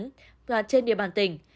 hoặc trên địa bàn tỉnh